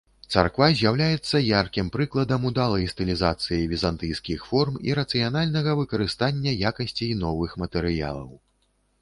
Царква з'яўляецца яркім прыкладам удалай стылізацыі візантыйскіх форм і рацыянальнага выкарыстання якасцей новых матэрыялаў.